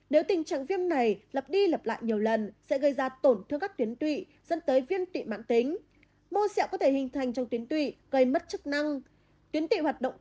nếu tình trạng viêm này lập đi lập lại nhiều lần sẽ gây ra tổn thương các tiến tụy dân tới viên tụy mạng tính